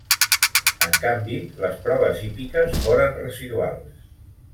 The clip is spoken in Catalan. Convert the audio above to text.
En canvi, les proves hípiques foren residuals.